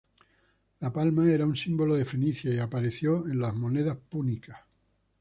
La palma era un símbolo de Fenicia y apareció en las monedas púnicas.